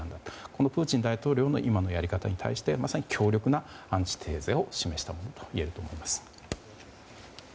このプーチン大統領の今のやり方に対してまさに強力なアンチテーゼを示したといえると思います。